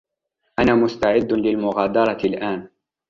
أنا مستعد للمغادرة الآن.